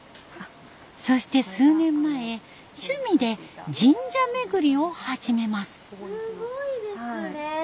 そして数年前趣味で神社めぐりを始めます。